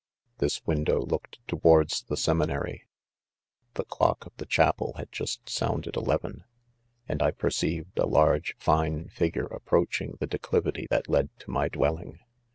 ..£ This window looked towards the seminary; the clock of the chapel' had just sounded elev en 1 and I perceived a large fine figure aproach ing'the declivity that led to my dwelling.